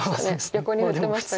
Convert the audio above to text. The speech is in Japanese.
横に振ってましたが。